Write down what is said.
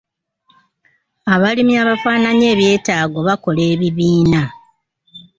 Abalimi abafaananya ebyetaago bakola ebibiina.